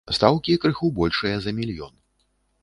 Стаўкі крыху большыя за мільён.